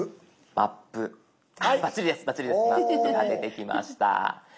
「マップ」が出てきました。